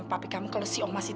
tapi kalau omas